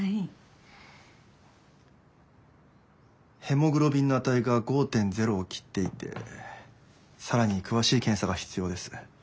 ヘモグロビンの値が５．０を切っていてさらに詳しい検査が必要です。